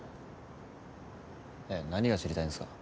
何が知りたいんすか？